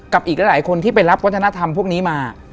อีกหลายคนที่ไปรับวัฒนธรรมพวกนี้มา